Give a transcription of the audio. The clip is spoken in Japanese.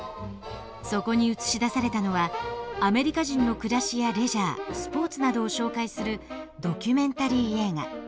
そこに映し出されたのはアメリカ人の暮らしやレジャースポーツなどを紹介するドキュメンタリー映画。